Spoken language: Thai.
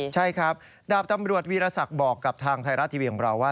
ใช่ครับดาบตำรวจวีรศักดิ์บอกกับทางไทยรัฐทีวีของเราว่า